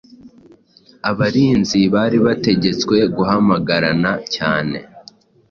abarinzi bari bategetswe guhamagarana cyane